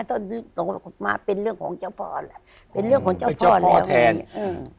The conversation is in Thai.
ต้นลงมาเป็นเรื่องของเจ้าพ่อแหละเป็นเรื่องของเจ้าพ่อแล้วแทนอืม